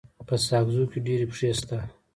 په ساکزو کي ډيري پښي سته.